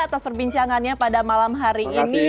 kita ngaruh perbincangannya pada malam hari ini